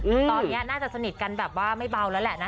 ตอนเนี้ยน่าจะสนิทกันแบบว่าไม่เบาแล้วแหละนะ